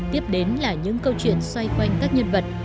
tiếp đến là những câu chuyện xoay quanh các nhân vật